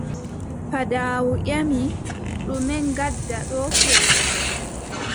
Paaɗaawu ƴami: ɗume ngaɗɗa ɗo fowru?